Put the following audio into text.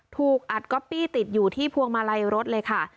ถูกอัดก๊อปปี้ติดอยู่ที่พวงมาลัยรถเลยค่ะ